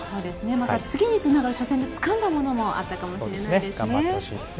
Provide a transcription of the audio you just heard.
また次につながる初戦でつかんだものもあったかもしれないですね。